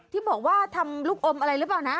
ที่บอกว่าทำลูกอมอะไรหรือเปล่านะ